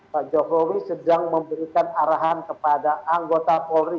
pak jokowi sedang memberikan arahan kepada anggota polri